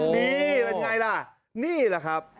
นี่เป็นอย่างไรล่ะ